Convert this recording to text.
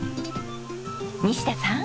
西田さん。